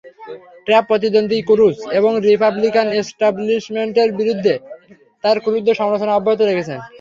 Trump প্রতিদ্বন্দ্বী Cruz এবং Republican এস্টাবলিশমেন্টের বিরুদ্ধে তাঁর ক্রুদ্ধ সমালোচনা অব্যাহত রেখেছেন।